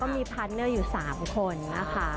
มีพาร์ทเนอร์อยู่๓คนนะคะ